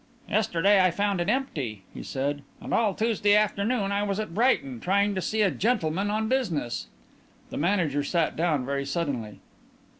"Yesterday I found it empty," he said. "And all Tuesday afternoon I was at Brighton, trying to see a gentleman on business." The manager sat down very suddenly.